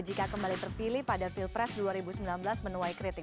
jika kembali terpilih pada pilpres dua ribu sembilan belas menuai kritik